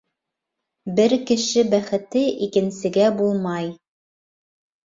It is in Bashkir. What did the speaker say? Бер кеше бәхете икенсегә булмай.